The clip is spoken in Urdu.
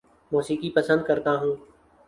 موسیقی پسند کرتا ہوں